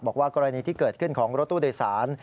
กรณีที่เกิดขึ้นของรถตู้โดยสาร